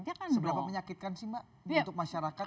seberapa menyakitkan sih mbak untuk masyarakat